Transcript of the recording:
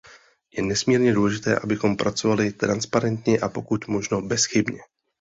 Je nesmírně důležité, abychom pracovali transparentně a pokud možno bezchybně.